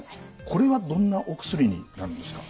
これはどんなお薬になるんですか？